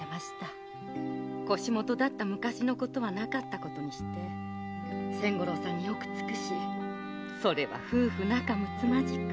腰元だった昔のことはなかったことにして千五郎さんによく尽くしそれは夫婦仲むつまじく。